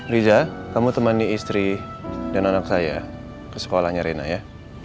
riza kamu temani istri dan anak saya ke sekolahnya rina ya